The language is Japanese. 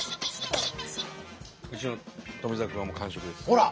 ほら！